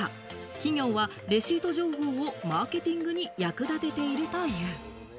企業はレシート情報をマーケティングに役立てているという。